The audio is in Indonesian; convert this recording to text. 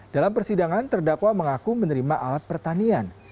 dalam persidangan terdakwa mengaku menerima alat pertanian